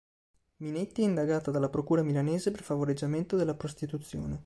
Minetti è indagata dalla procura milanese per favoreggiamento della prostituzione.